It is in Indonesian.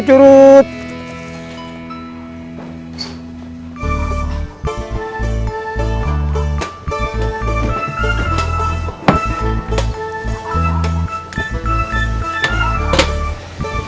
jika orang menodong